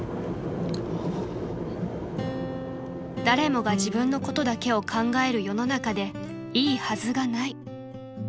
［誰もが自分のことだけを考える世の中でいいはずがない］